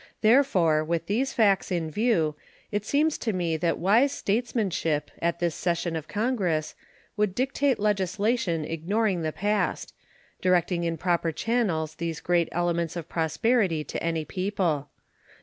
Therefore, with these facts in view, it seems to me that wise statesmanship, at this session of Congress, would dictate legislation ignoring the past; directing in proper channels these great elements of prosperity to any people.